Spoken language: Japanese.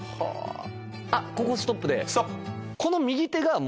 ここストップで。